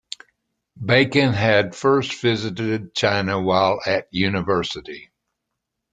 Bacon had first visited China while at university.